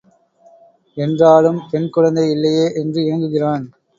என்றாலும் பெண் குழந்தை இல்லையே என்று ஏங்குகிறான்.